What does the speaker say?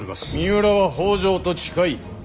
三浦は北条と近い。